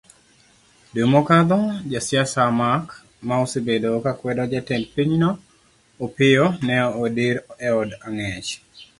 Dwe mokadho, jasiasa Mark ma osebedo kakwedo jatend pinyno Opiyo ne odir eod angech.